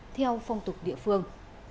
theo phong tục địa phương